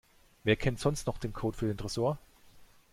Wer kennt sonst noch den Code für den Tresor?